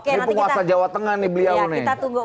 ini penguasa jawa tengah nih beliau nih